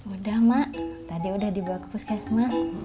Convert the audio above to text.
udah mak tadi udah dibawa ke puskesmas